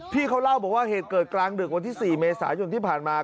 พี่เขาเล่าบอกว่าเหตุเกิดกลางดึกวันที่๔เมษายนที่ผ่านมา